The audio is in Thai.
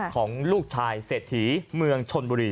ของลูกชายเศรษฐีเมืองชนบุรี